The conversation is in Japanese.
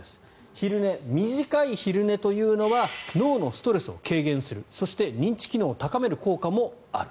昼寝、短い昼寝というのは脳のストレスを軽減するそして、認知機能を高める効果もある。